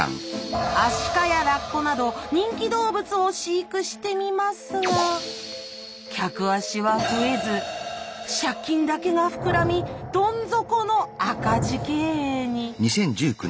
アシカやラッコなど人気動物を飼育してみますが客足は増えず借金だけが膨らみどん底の赤字経営に。